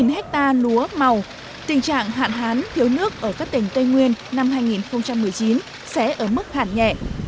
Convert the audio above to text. một ha lúa màu tình trạng hạn hán thiếu nước ở các tỉnh tây nguyên năm hai nghìn một mươi chín sẽ ở mức hạn nhẹ